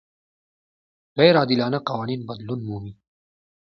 غیر عادلانه قوانین بدلون مومي.